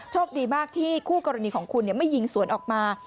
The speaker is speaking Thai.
โชคดีมากที่คู่กรณีของคุณไม่ยิงสวนออกมา